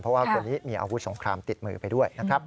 เพราะว่าคนนี้มีอาวุธสงครามติดมือไปด้วยนะครับ